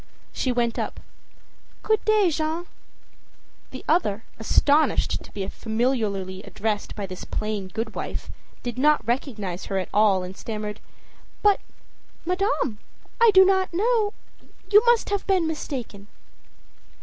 She went up. âGood day, Jeanne.â The other, astonished to be familiarly addressed by this plain good wife, did not recognize her at all and stammered: âBut madame! I do not know You must have mistaken.